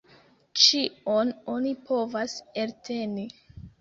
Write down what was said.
Ĉion oni povas elteni.